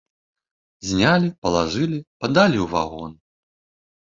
Знялі, палажылі, падалі ў вагон.